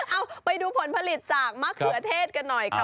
เอาไปดูผลผลิตจากมะเขือเทศกันหน่อยค่ะ